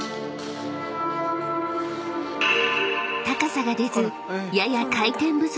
［高さが出ずやや］